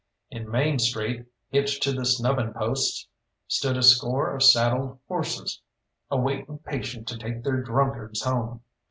In Main Street, hitched to the snubbing posts, stood a score of saddled horses, a waiting patient to take their drunkards home.